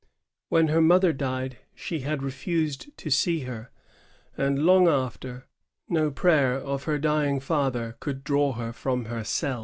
When her mother died, she had refused to see her; and, long after, no prayer of her dying father could draw her from her ceU.